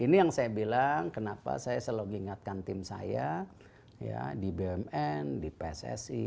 ini yang saya bilang kenapa saya selalu ingatkan tim saya di bumn di pssi